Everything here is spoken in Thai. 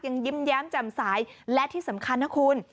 ยิ้มแย้มแจ่มสายและที่สำคัญนะคุณ